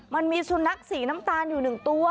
มันมีสุนัขสีน้ำตาลอยู่๑ตัว